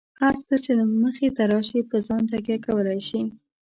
هر څه چې مخې ته راشي، په ځان تکیه کولای شئ.